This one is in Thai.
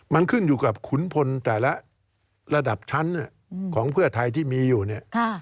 มันขึ้นอยู่กับขุนพลแต่ละระดับชั้นของเพื่อไทยที่มีอยู่เนี่ย